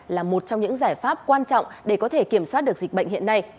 là một trong những giải pháp quan trọng để có thể kiểm soát được dịch bệnh hiện nay